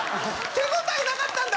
手応えなかったんだ？